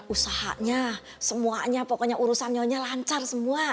usahanya semuanya pokoknya urusan nyonya lancar semua